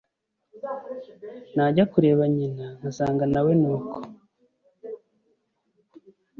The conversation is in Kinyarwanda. najya kureba nyina nkasanga na we nuko